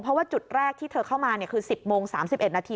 เพราะว่าจุดแรกที่เธอเข้ามาคือ๑๐โมง๓๑นาที